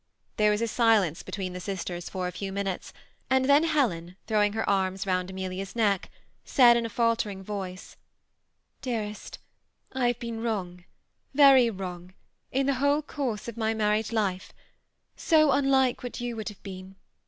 There was silence THE SEMI ATTACHED COUPLE, 291 between the sisters for a few minutes, and then Helen, throwing her arms round Amelia's neck, said, in a faltering voice, " Dearest, I have been wrong, very wrong, in the whole course of my married life ; so un like what you would have been.